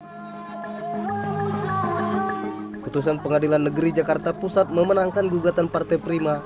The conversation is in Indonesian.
keputusan pengadilan negeri jakarta pusat memenangkan gugatan partai prima